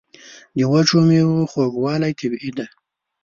د وچو میوو خوږوالی طبیعي دی.